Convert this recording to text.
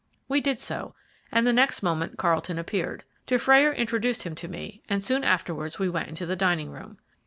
We did so, and the next moment Carlton appeared. Dufrayer introduced him to me, and soon afterwards we went into the dining room.